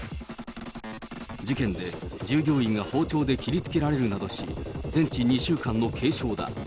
事件で従業員が包丁で切りつけられるなどし、全治２週間の軽傷だ。